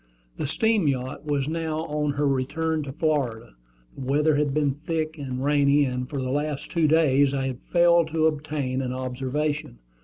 The steam yacht was now on her return to Florida. The weather had been thick and rainy, and for the last two days I had failed to obtain an observation.